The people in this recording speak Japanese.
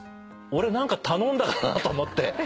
俺何か頼んだかなと思って。